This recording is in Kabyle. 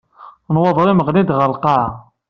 Nnwaḍer-im ɣlint ɣer lqaɛa.